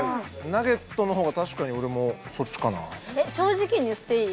ナゲットの方が確かに俺もそっちかなえっ正直に言っていい？